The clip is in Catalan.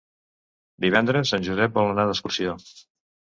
Divendres en Josep vol anar d'excursió.